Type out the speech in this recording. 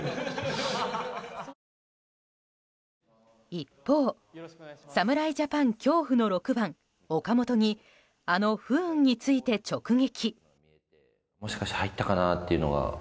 一方、侍ジャパン恐怖の６番岡本にあの不運について直撃。